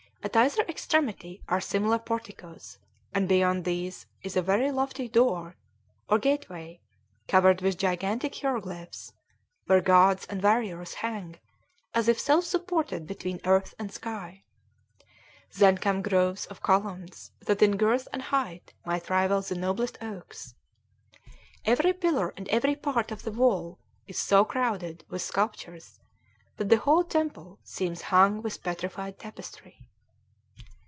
At either extremity are similar porticos, and beyond these is a very lofty door, or gateway, covered with gigantic hieroglyphs, where gods and warriors hang as if self supported between earth and sky. Then come groves of columns that in girth and height might rival the noblest oaks. Every pillar and every part of the wall is so crowded with sculptures that the whole temple seems hung with petrified tapestry.